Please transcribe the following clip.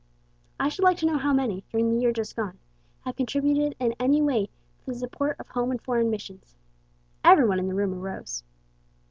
I should like to know how many, during the year just gone, have contributed in any way to the support of Home and Foreign Missions?" Every one in the room arose.